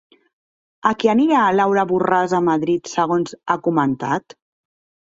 A què anirà Laura Borràs a Madrid segons ha comentat?